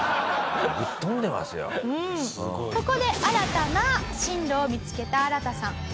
ここで新たな進路を見つけたアラタさん。